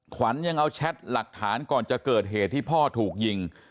ขวัญยังเอาแชทหลักฐานก่อนจะเกิดเหตุที่พ่อถูกยิง